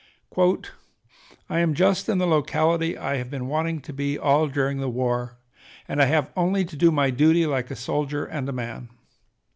"I am just in the locality I have been wanting to be all during the war, and I have only to do my duty like a soldier and a man.